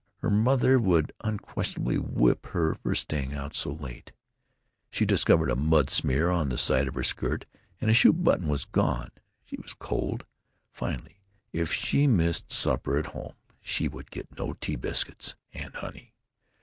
Her mother would unquestionably whip her for staying out so late. She discovered a mud smear on the side of her skirt, and a shoe button was gone. She was cold. Finally, if she missed supper at home she would get no tea biscuits and honey.